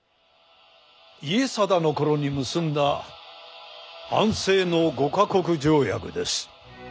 家定の頃に結んだ安政の五カ国条約です。